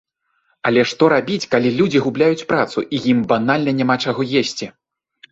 Але што рабіць, калі людзі губляюць працу, і ім банальна няма чаго есці?